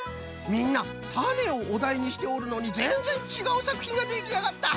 みんなたねをおだいにしておるのにぜんぜんちがうさくひんができあがった！